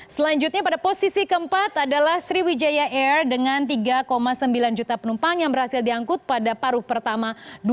selanjutnya pada posisi keempat adalah sriwijaya air dengan tiga sembilan juta penumpang yang berhasil diangkut pada paruh pertama dua ribu dua puluh